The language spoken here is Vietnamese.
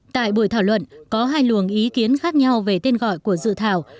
tại buổi thảo luận có hai luồng ý kiến khác nhau về tên gọi của dự thảo